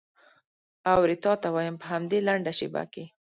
اورې تا ته وایم په همدې لنډه شېبه کې.